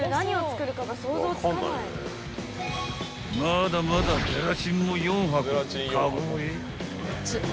［まだまだゼラチンも４箱カゴへ］